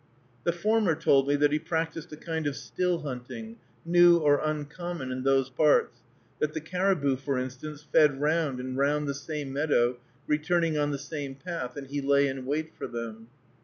The former told me that he practiced a kind of still hunting, new or uncommon in those parts; that the caribou, for instance, fed round and round the same meadow, returning on the same path, and he lay in wait for them.